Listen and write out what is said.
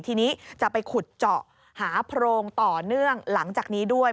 ทีนี้จะไปขุดเจาะหาโพรงต่อเนื่องหลังจากนี้ด้วย